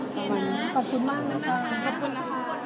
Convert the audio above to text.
ขอบคุณมากนะคะ